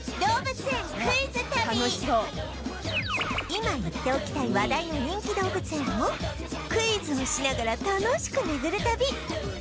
今行っておきたい話題の人気動物園をクイズをしながら楽しく巡る旅